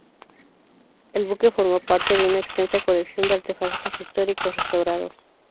El buque formó parte de una extensa colección de artefactos históricos restaurados.